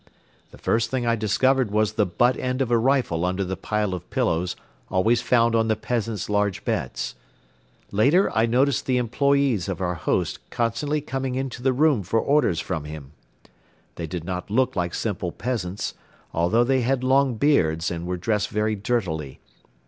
The first thing I discovered was the butt end of a rifle under the pile of pillows always found on the peasants' large beds. Later I noticed the employees of our host constantly coming into the room for orders from him. They did not look like simple peasants, although they had long beards and were dressed very dirtily.